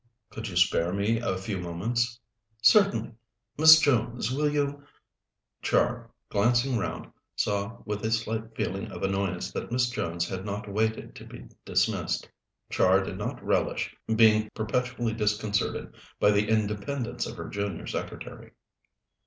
"Could you spare me a few moments?" "Certainly. Miss Jones, will you " Char, glancing round, saw with a slight feeling of annoyance that Miss Jones had not waited to be dismissed. Char did not relish being perpetually disconcerted by the independence of her junior secretary.